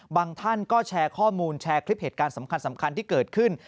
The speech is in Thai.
ท่านก็แชร์ข้อมูลแชร์คลิปเหตุการณ์สำคัญที่เกิดขึ้น